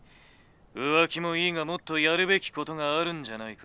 浮気もいいがもっとやるべきことがあるんじゃないか？」。